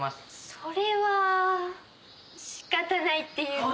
それは仕方ないっていうか。